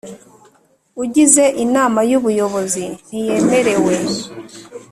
Ugize Inama y Ubuyobozi ntiyemerewe